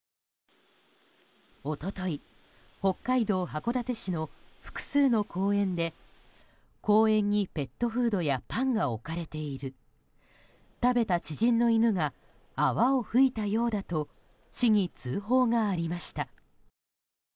一昨日、北海道函館市の複数の公園で公園にペットフードやパンが置かれている食べた知人の犬が泡を吹いたようだと市に通報がありました。